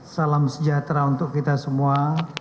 salam sejahtera untuk kita semua